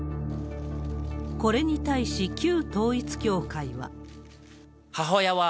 これに対し、旧統一教会は。